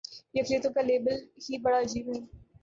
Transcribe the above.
یہ اقلیتوں کا لیبل ہی بڑا عجیب ہے۔